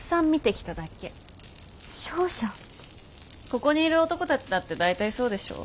ここにいる男たちだって大体そうでしょ？